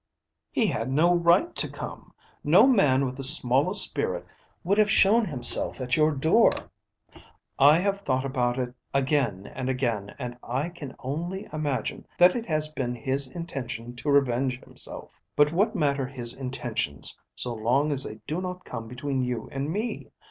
"He had no right to come. No man with the smallest spirit would have shown himself at your door. I have thought about it again and again, and I can only imagine that it has been his intention to revenge himself. But what matter his intentions so long as they do not come between you and me?